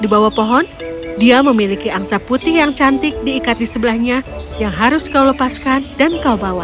di bawah pohon dia memiliki angsa putih yang cantik diikat di sebelahnya yang harus kau lepaskan dan kau bawa